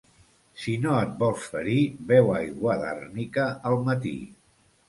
Si no et vols ferir beu aigua d'àrnica al matí.